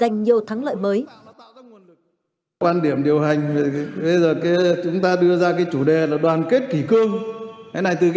nhiều thắng lợi mới